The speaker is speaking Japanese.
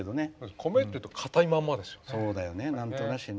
米っていうと硬いまんまですよね。